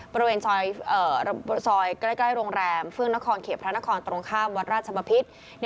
บริเวณซอยใกล้โรงแรมเฟื่องนครเขตพระนครตรงข้ามวัดราชบพิษ